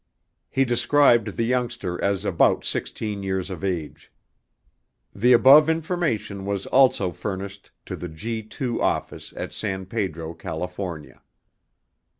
He described the youngster as about sixteen years of age. The above information was also furnished to the G 2 Office at San Pedro, California.